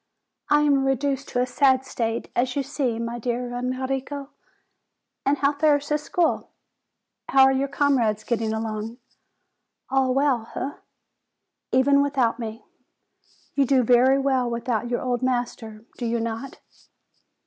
I am reduced to a sad state, as you see, my dear Enrico. And how fares the school? How are your comrades getting along? All well, eh? Even without me? You do very well without your old master, do you not?"